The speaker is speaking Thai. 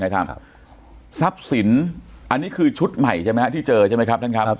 ในท่ามทรัพย์สินอันนี้คือชุดใหม่ที่เจอใช่ไหมครับท่านครับ